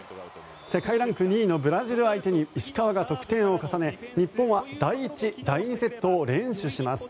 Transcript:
世界ランク２位のブラジルを相手に石川が得点を重ね日本は第１、第２セットを連取します。